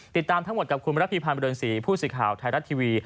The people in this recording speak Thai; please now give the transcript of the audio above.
ติดตามทั้งหมดกับคุณมรพบริษฐีผู้สิทธิ์ข่าวไทยรัตน์ทีวี